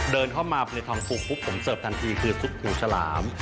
เดินเข้ามาในทองฟูผมเสิร์ฟทันทีคือซุ๊บหูฉลาม